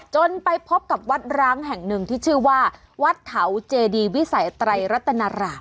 ไปพบกับวัดร้างแห่งหนึ่งที่ชื่อว่าวัดเขาเจดีวิสัยไตรรัตนาราม